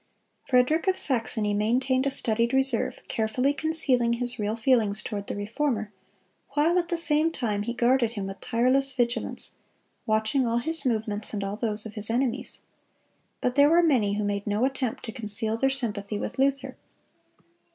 Frederick of Saxony maintained a studied reserve, carefully concealing his real feelings toward the Reformer, while at the same time he guarded him with tireless vigilance, watching all his movements and all those of his enemies. But there were many who made no attempt to conceal their sympathy with Luther.